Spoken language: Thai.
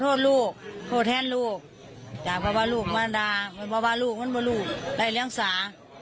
ขอโทษลูกโทษแทนลูกจากพระบาลลูกมรรดาพระบาลลูกมันเป็นลูกได้เลี้ยงสา